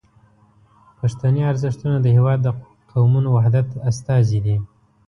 پښتني ارزښتونه د هیواد د قومونو وحدت استازي دي.